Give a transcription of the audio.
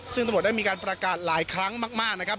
ซึ่งตำรวจได้มีการประกาศหลายครั้งมากนะครับ